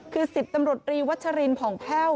คือศิษย์ตำรวจรีวัชรินภองเภ่า